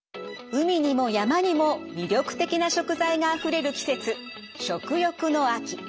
海にも山にも魅力的な食材があふれる季節食欲の秋。